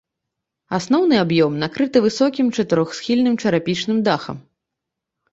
Асноўны аб'ём накрыты высокім чатырохсхільным чарапічным дахам.